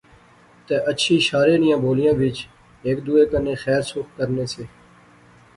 تہ اچھی شارے نیاں بولیا وچ ہیک دوہے کنے خیر سکھ کرنے سے